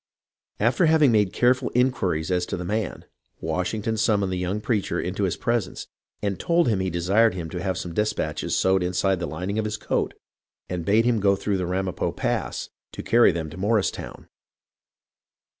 After having made careful inquiries as to the man, Wash ington summoned the young preacher into his presence and told him he desired him to have some despatches sewed inside the lining of his coat, and bade him go through the Ramapo Pass to carry them to Morristown.